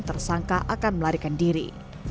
tersangka akan melarikan diri